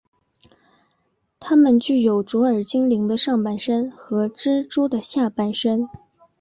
他们具有卓尔精灵的上半身和蜘蛛的下半身。